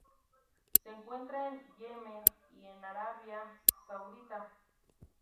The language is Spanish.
Se encuentra en Yemen y en Arabia Saudita.